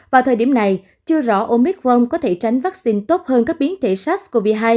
vào thời điểm này chưa rõ omicron có thể tránh vaccine tốt hơn các biến thể sars cov hai